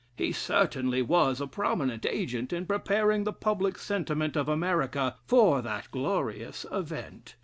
He certainly was a prominent agent in preparing the public sentiment of America for that glorious event.